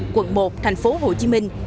quận một thành phố hồ chí minh